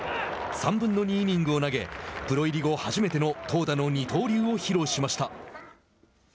３分の２イニングスを投げてプロ入り後初めての投打の二刀流を披露しました。